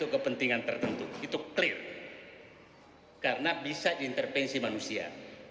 kepentingan tertentu itu clear karena bisa diintervensi manusia